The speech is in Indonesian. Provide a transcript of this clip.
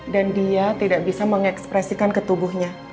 dan dia tidak bisa mengekspresikan ketubuhnya